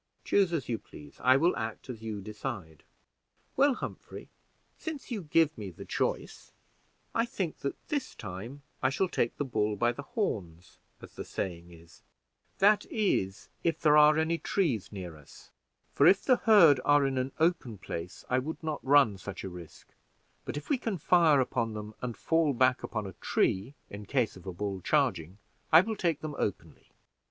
Choose as you please; I will act as you decide." "Well, Humphrey, since you give me the choice, I think that this time I shall take the bull by the horns, as the saying is; that is, if there are any trees near us, for if the herd are in an open place I would not run such a risk; but if we can fire upon them and fall back upon a tree in case of a bull charging, I will take them openly."